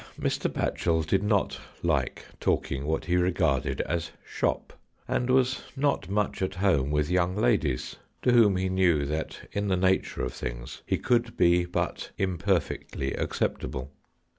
Now Mr. Batchel did not like talking what he regarded as " shop," and was not much at home with young ladies, to whom he knew that, in the nature of things, he could be but imperfectly acceptable.